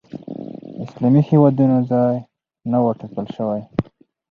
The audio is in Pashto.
اسلامي هېوادونو ځای نه و ټاکل شوی